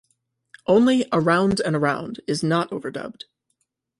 Only "Around and Around" is not overdubbed.